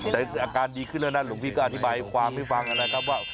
แต่อาการดีขึ้นแล้วนะหลวงพี่ก็อธิบายความให้ฟังนะครับว่า